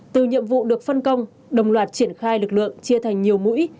từ nhiệm vụ được phân công đồng loạt triển khai lực lượng chia thành nhiều mũi